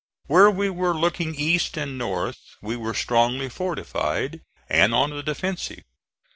Where we were looking east and north we were strongly fortified, and on the defensive.